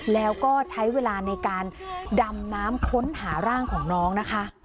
แล้วก็ใช้เวลาในการดำน้ำค้นหาร่างของน้องนะคะ